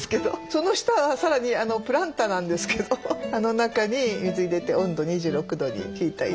その下はさらにプランターなんですけどあの中に水入れて温度２６度にヒーター入れてやって。